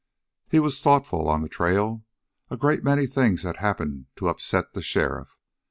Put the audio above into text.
He was thoughtful on the trail. A great many things had happened to upset the sheriff.